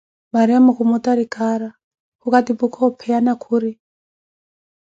Mariamo khumutari cara, khukatiphuka opeya na khuri